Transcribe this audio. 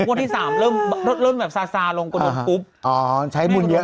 งวดที่๓เริ่มแบบซาลงกระดบปุ๊บ